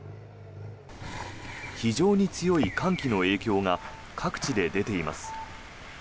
非常に強い寒気の影響が各地で出ています。